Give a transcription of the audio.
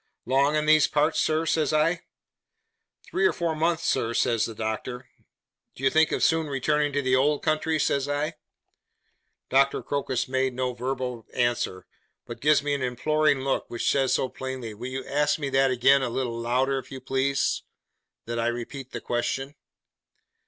'Long in these parts, sir?' says I. 'Three or four months, sir,' says the Doctor. 'Do you think of soon returning to the old country?' says I. Doctor Crocus makes no verbal answer, but gives me an imploring look, which says so plainly 'Will you ask me that again, a little louder, if you please?' that I repeat the question.